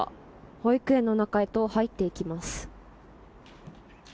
保育園の中へ入っていきます。